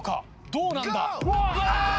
どうなんだ？